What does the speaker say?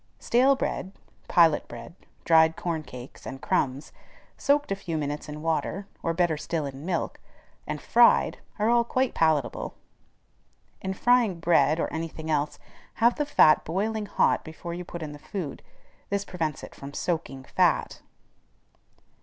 Stale bread, pilot bread, dried corn cakes, and crumbs, soaked a few minutes in water, or better still in milk, and fried, are all quite palatable. In frying bread, or any thing else, have the fat boiling hot before you put in the food: this prevents it from soaking fat.